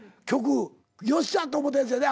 「よっしゃ」と思ったやつやで。